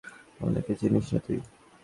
ওনাকে চিনিস না তুই।